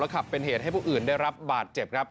ขับเป็นเหตุให้ผู้อื่นได้รับบาดเจ็บครับ